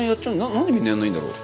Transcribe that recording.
何でみんなやんないんだろう。